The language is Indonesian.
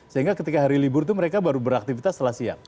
sehingga ketika hari libur itu mereka baru beraktivitas setelah siang